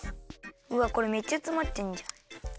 うわっこれめっちゃつまってんじゃん。